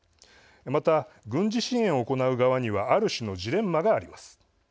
また、軍事支援を行う側にはある種のジレンマがあります。